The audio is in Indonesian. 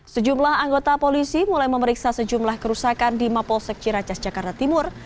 sejumlah anggota polisi mulai memeriksa sejumlah kerusakan di mapolsek ciracas jakarta timur